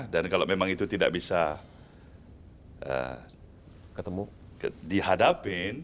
dan kalau memang itu tidak bisa dihadapi